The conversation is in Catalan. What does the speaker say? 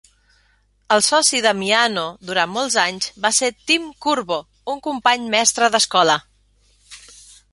El soci d'Ammiano durant molts anys va ser Tim Curbo, un company mestre d'escola.